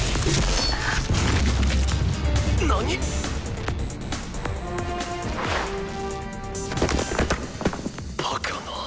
何⁉バカな！